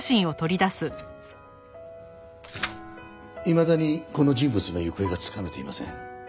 いまだにこの人物の行方がつかめていません。